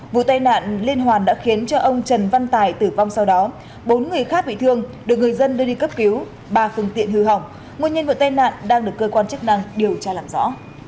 vụ tai nạn liên hoàn đã khiến ông trần văn tài tử vong sau đó bốn người khác bị thương được người dân đưa đi cấp cứu ba phương tiện hư hỏng nguồn nhân vụ tai nạn đang được cơ quan chức năng điều tra làm rõ